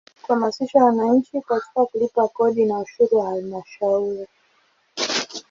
Kuhamasisha wananchi katika kulipa kodi na ushuru wa Halmashauri.